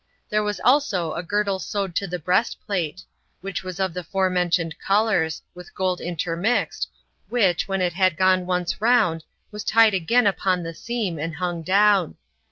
There was also a girdle sewed to the breastplate, which was of the forementioned colors, with gold intermixed, which, when it had gone once round, was tied again upon the seam, and hung down.